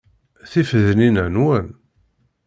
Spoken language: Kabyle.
Tifednin-a nwen?